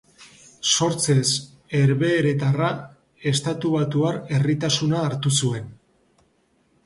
Sortzez herbeheretarra, estatubatuar herritartasuna hartu zuen.